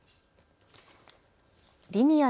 リニア